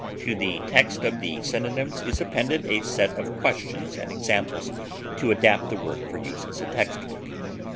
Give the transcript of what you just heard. To the text of the synonyms is appended a set of Questions and Examples to adapt the work for use as a text book.